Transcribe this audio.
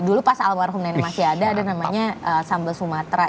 dulu pas almarhum nenek masih ada ada namanya sambal sumatera